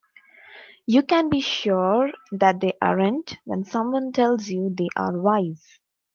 You can be sure that they aren't when someone tells you they are wise.